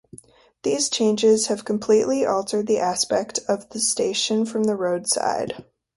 These changes have completely altered the aspect of the station from the road side.